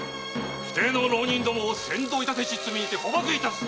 不逞の浪人どもを扇動致せし罪にて捕縛致す！